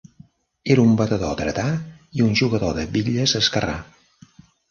Era un batedor dretà i un jugador de bitlles esquerrà.